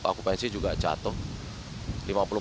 akubensi juga jatuh